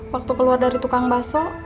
waktu keluar dari tukang basah